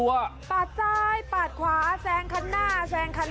วิทยาลัยศาสตร์อัศวิทยาลัยศาสตร์